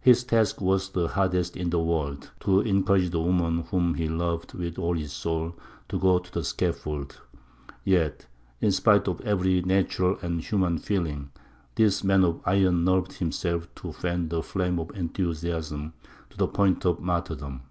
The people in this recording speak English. His task was the hardest in the world: to encourage the woman whom he loved with all his soul to go to the scaffold; yet, in spite of every natural and human feeling, this man of iron nerved himself to fan the flame of enthusiasm to the point of martyrdom.